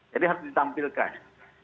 jadi harus ditampilkan